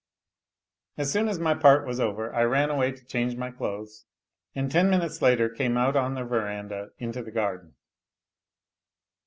As soon as my part was over I ran away to change my clothes, and ten minutes later came out on the verandah into the garden.